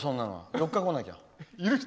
４日来なきゃ。